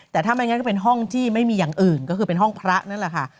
แต่ถ้าไม่งั้นก็เป็นห้องที่ไม่มีอย่างอื่นก็คือเป็นห้องพระนั่นแหละค่ะ